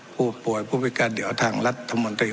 ผู้ป่วยผู้พิการเดี๋ยวทางรัฐมนตรี